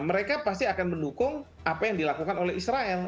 mereka pasti akan mendukung apa yang dilakukan oleh israel